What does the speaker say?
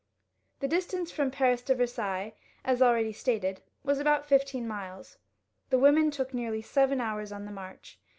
The distance from Paris to Versailles is about fifteen miles. The women took nearly seven hours for the march.